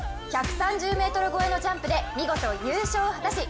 １３０ｍ超えのジャンプで見事優勝を果たし